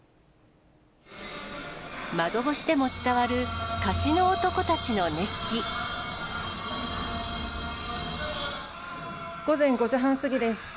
窓越しでも伝わる河岸の男た午前５時半過ぎです。